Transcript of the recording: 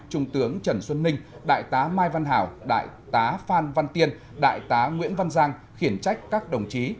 trung tướng trần xuân ninh đại tá mai văn hảo đại tá phan văn tiên đại tá nguyễn văn giang khiển trách các đồng chí